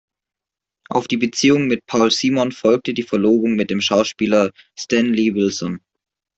Auf die Beziehung mit Paul Simon folgte die Verlobung mit dem Schauspieler Stanley Wilson.